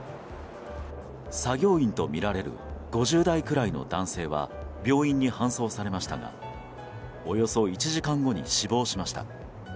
作業員とみられる５０代ぐらいの男性は病院に搬送されましたがおよそ１時間後に死亡しました。